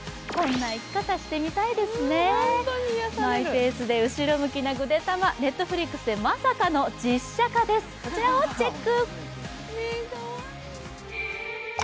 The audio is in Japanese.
マイペースで後ろ向きなぐでたま、Ｎｅｔｆｌｉｘでまさかの実写化です、こちらをチェック。